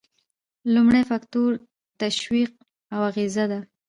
لومړی فکتور تشویق او اغیزه ده.